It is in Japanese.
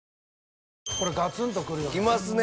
これガツンとくるよね。